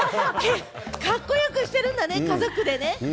カッコよくしているんだね、家族でね。